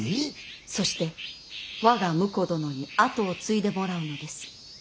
そして我が婿殿に跡を継いでもらうのです。